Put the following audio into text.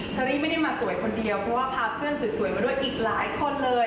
เชอรี่ไม่ได้มาสวยคนเดียวเพราะว่าพาเพื่อนสวยมาด้วยอีกหลายคนเลย